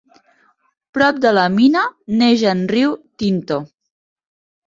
Prop de la mina neix en riu Tinto.